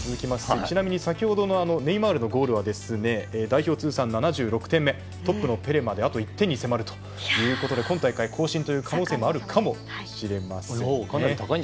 ちなみに先ほどのネイマールのゴールはですね代表通算７６点目トップのペレまであと１点に迫るということで今大会更新の可能性もあるかもしれません。